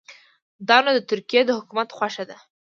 دا نو د ترکیې د حکومت خوښه ده.